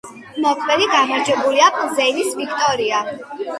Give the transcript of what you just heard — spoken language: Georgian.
მოქმედი გამარჯვებულია პლზენის „ვიქტორია“.